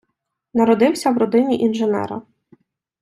Народився в родині інженера.